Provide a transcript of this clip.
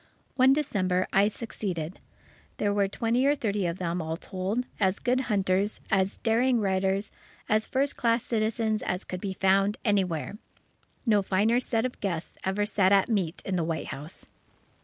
One December, I succeeded. There were twenty or thirty of them, all told, as good hunters, as daring riders, as first class citizens as could be found anywhere. No finer set of guests ever sat at meat in the White House.